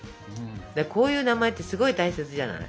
こういう名前ってすごい大切じゃない？